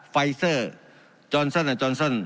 ไฟเซอร์จอนซ่อนอันจอนซ่อน